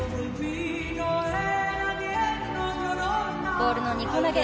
ボールの２個投げ。